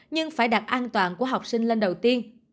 nhưng phải đặt an toàn của học sinh lên đầu tiên